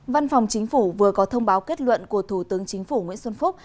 văn phòng chính phủ vừa có thông báo kết luận của thủ tướng chính phủ nguyễn xuân phúc